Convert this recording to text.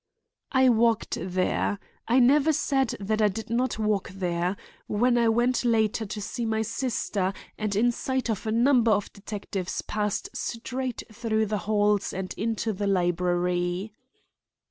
"I walked there—I never said that I did not walk there—when I went later to see my sister and in sight of a number of detectives passed straight through the halls and into the library."